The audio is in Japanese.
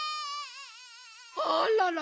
あららら。